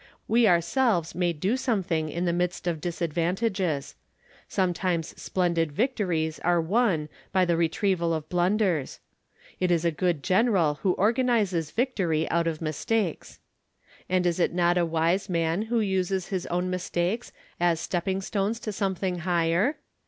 We ourselves may do something in the midst of dis advantages. Sometimes splendid victories are won by the retrieval of blunders. It is a good general who organizes victory out of mistakes. 232 From Different Standpoints. And is it not a wise man who uses his own mis takes as stepping stones to something, higher?